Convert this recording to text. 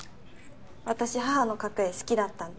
私母の描く絵好きだったんで。